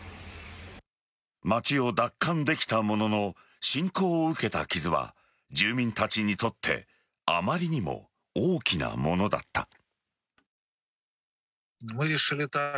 街を奪還できたものの進行を受けた傷は住民たちにとってあまりにも大きなものだった。